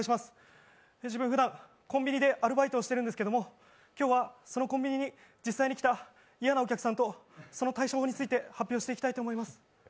自分、ふだんコンビニでアルバイトをしてるんですけれど今日はそのコンビニに実際に来た嫌なお客さんとその対処法について発表したいと思います。